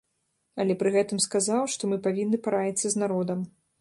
Але пры гэтым сказаў, што мы павінны параіцца з народам.